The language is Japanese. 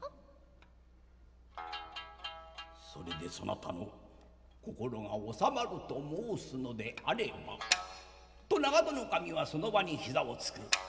それでそなたの心が収まると申すのであれば」と長門守はその場に膝をつく。